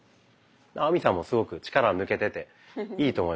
亜美さんもすごく力抜けてていいと思います。